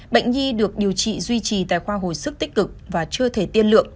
bệnh nhi được điều trị duy trì tại khoa hồi sức tích cực và chưa thể tiên lượng